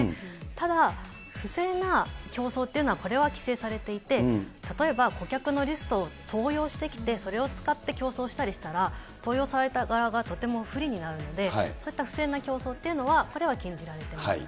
ただ、不正な競争というのは、これは規制されていて、例えば、顧客のリストを盗用してきて、それを使って競争したりしたら、盗用された側がとても不利になるので、そういった不正な競争というのは、これは禁じられてます。